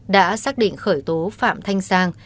đã xác định khởi tố phạm thanh sang